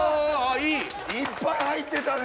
いっぱい入ってたね。